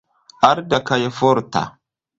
Arda kaj forta.